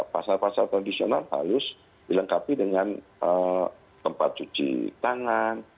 pasar pasar tradisional harus dilengkapi dengan tempat cuci tangan